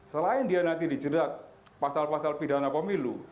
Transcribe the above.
selain dia nanti dijerat pasal pasal pidana pemilu